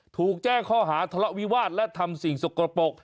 ถูกแจ้งข้อหาทะเลาะวิวาสและทำสิ่งสกปรก